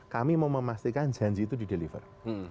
kami mau memastikan janji itu dideliver